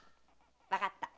わかった。